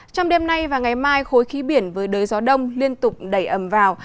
trong đêm nay và ngày mai khối khí biển với đới gió đông liên tục đẩy ẩm vào